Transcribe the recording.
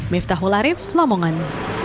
miftah hularif lamongan